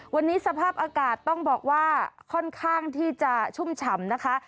วันนี้สภาพอากาศต้องบอกว่าค่อนข้างที่จะชุ่มฉ่ำนะคะ